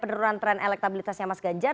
trend elektabilitasnya mas ganjar